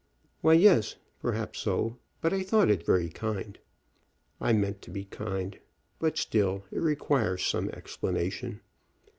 "Well, yes; perhaps so; but I thought it very kind." "I meant to be kind; but still, it requires some explanation.